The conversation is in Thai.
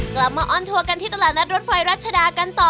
มาออนทัวร์กันที่ตลาดนัดรถไฟรัชดากันต่อ